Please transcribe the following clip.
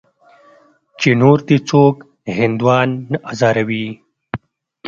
چې نور دې څوک هندوان نه ازاروي.